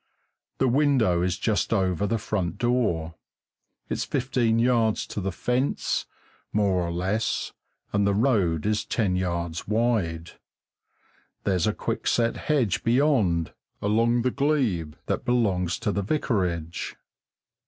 The window is just over the front door, it's fifteen yards to the fence, more or less, and the road is ten yards wide. There's a quickset hedge beyond, along the glebe that belongs to the vicarage.